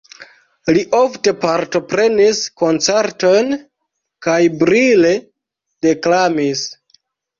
Li ofte partoprenis koncertojn kaj brile deklamis.